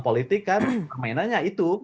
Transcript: politik kan permainannya itu